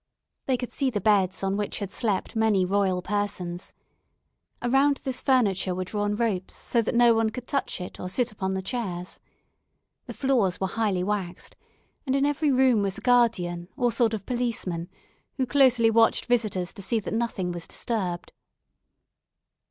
They could see the beds on which had slept many royal persons. Around this furniture were drawn ropes so no one could touch it or sit upon the chairs. The floors were highly waxed, and in every room was a guardian or sort of policeman, who closely watched visitors to see that nothing was disturbed.